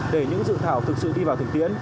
để những dự thảo thực sự đi vào thực tiễn